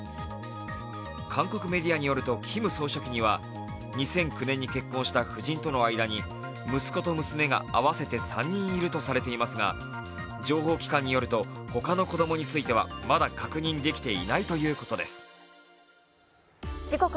韓国メディアによるとキム総書記には２００９年に結婚した夫人との間に息子と娘が合わせて３人いるとされていますが情報機関によると、他の子供についてはまだ確認できていないということです。